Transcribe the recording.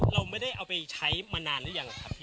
เราไม่ได้เอาไปใช้มานานหรือยังอะครับ